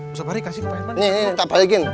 ustaz fahri kasih ke pak herman